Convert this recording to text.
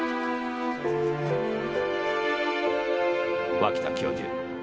脇田教授